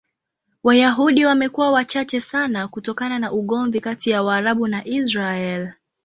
Wayahudi wamekuwa wachache sana kutokana na ugomvi kati ya Waarabu na Israel.